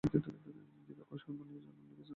দিবাকর শর্মা নামে লিখেছেন অনেক ছোটগল্প।